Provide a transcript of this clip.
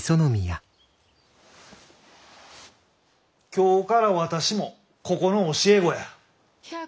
今日から私もここの教え子や。